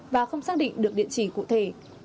và không xác định được địa chỉ cụ thể